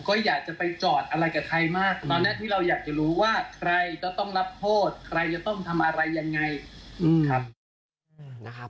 ใครจะต้องทำอะไรยังไง